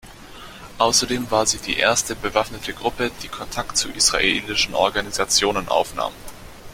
Außerdem war sie die erste bewaffnete Gruppe, die Kontakt zu israelischen Organisationen aufnahm.